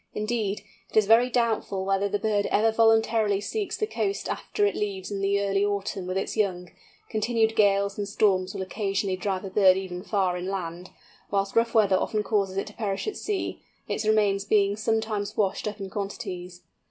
Indeed, it is very doubtful whether the bird ever voluntarily seeks the coast after it leaves it in early autumn with its young; continued gales and storms will occasionally drive a bird even far inland, whilst rough weather often causes it to perish at sea, its remains being sometimes washed up in quantities.